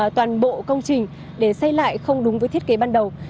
toàn bộ công trình để xây lại không đúng với thiết kế ban đầu